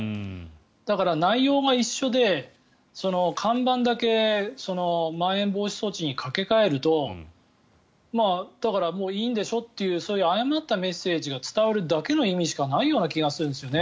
だから内容が一緒で看板だけまん延防止措置に掛け替えると、だからもういいんでしょ？というそういう誤ったメッセージが伝わるだけの意味しかないような気がするんですよね。